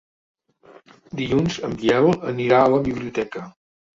Dilluns en Biel anirà a la biblioteca.